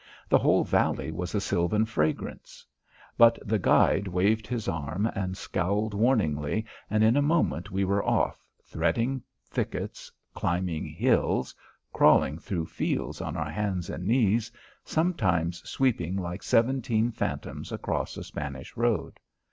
The whole valley was a sylvan fragrance. But the guide waved his arm and scowled warningly, and in a moment we were off, threading thickets, climbing hills, crawling through fields on our hands and knees, sometimes sweeping like seventeen phantoms across a Spanish road.